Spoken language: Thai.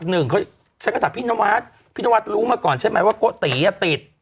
หนึ่งเขาฉันก็ถามพี่นวัดพี่นวัดรู้มาก่อนใช่ไหมว่าโกติอ่ะติด